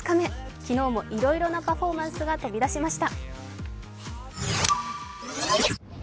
昨日もいろいろなパフォーマンスが飛び出しました。